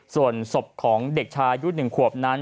สบของเด็กชายุดหนึ่งขวบนั้น